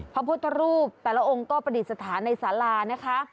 พระพุทธรูปแต่ละองค์ก็ประดิษฐานในสารานะคะ